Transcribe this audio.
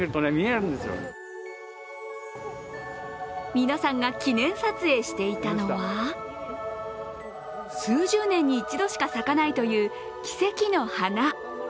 皆さんが記念撮影していたのは数十年に一度しか咲かないという奇跡の花。